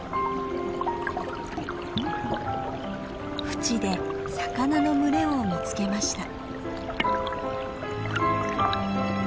ふちで魚の群れを見つけました。